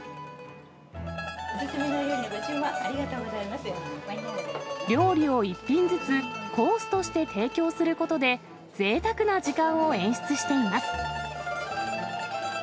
お勧め料理のご注文、ありが料理を１品ずつ、コースとして提供することで、ぜいたくな時間を演出しています。